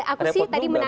aku sih tadi menangkap